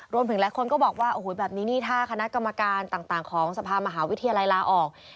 หลายคนก็บอกว่าโอ้โหแบบนี้นี่ถ้าคณะกรรมการต่างของสภามหาวิทยาลัยลาออก